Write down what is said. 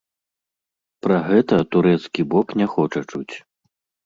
Пра гэта турэцкі бок не хоча чуць.